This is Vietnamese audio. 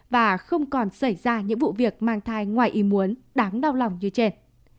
và không còn xảy ra những vụ việc mang thai ngoài ý muốn đáng đau lòng như trên